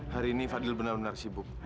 hari ini fadil benar benar sibuk